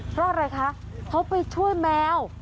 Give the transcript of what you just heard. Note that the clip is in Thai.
เพราะอะไรคะเขาไปช่วยแมว